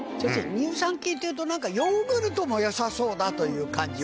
乳酸菌っていうと何かヨーグルトもよさそうだという感じは。